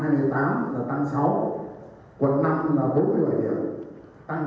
thì ạ thì cao so với năm hai nghìn một mươi tám là thằng sáu còn ngiod là phục v estimam đa nutip